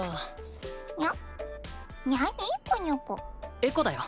エコだよ。